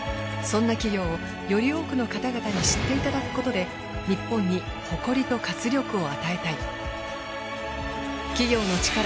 そんな企業をより多くの方々に知っていただくことで日本に誇りと活力を与えたい。